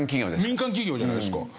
民間企業じゃないですか。